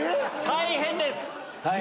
大変です！